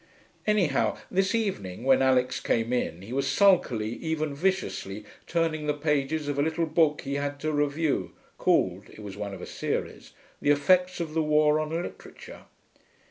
Anyhow, this evening, when Alix came in, he was sulkily, even viciously, turning the pages of a little book he had to review, called (it was one of a series) The Effects of the War on Literature.